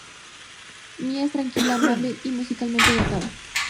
Mia es tranquila, amable y musicalmente dotada.